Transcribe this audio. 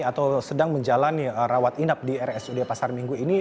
atau sedang menjalani rawat inap di rsud pasar minggu ini